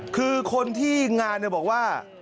คือคนที่งานบอกว่า